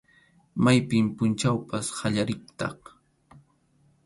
Mayqin pʼunchawpas qallariqtaq.